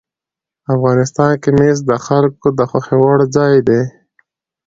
افغانستان کې مس د خلکو د خوښې وړ ځای دی.